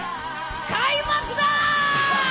開幕だ！